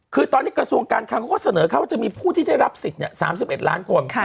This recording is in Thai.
คือตอนนี้กระทรวงการคังเขาก็เสนอเข้าว่าจะมีผู้ที่ได้รับสิทธิ์๓๑ล้านคน